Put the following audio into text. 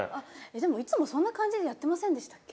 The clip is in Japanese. でもいつもそんな感じでやってませんでしたっけ？